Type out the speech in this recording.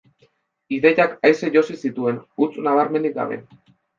Ideiak aise josi zituen, huts nabarmenik gabe.